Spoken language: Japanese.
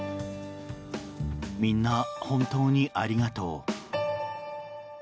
みんな、本当にありがとう。